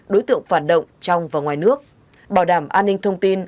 đối tượng phản động trong và ngoài nước bảo đảm an ninh thông tin